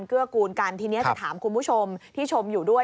เกื้อกูลกันทีนี้จะถามคุณผู้ชมที่ชมอยู่ด้วย